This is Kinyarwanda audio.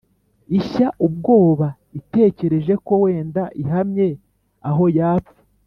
ishya ubwoba itekereje ko wenda ihamye aho yapfa